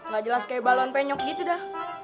gak jelas kayak balon penyok gitu dah